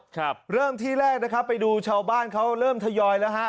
ครับเริ่มที่แรกนะครับไปดูชาวบ้านเขาเริ่มทยอยแล้วฮะ